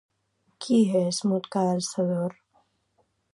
Qui és Muqtada al-Sadr?